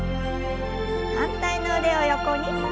反対の腕を横に。